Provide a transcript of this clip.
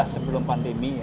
sebelum pandemi ya